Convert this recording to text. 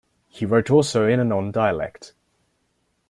He wrote also in and on dialect.